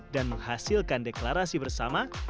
dan menghasilkan deklarasi bersama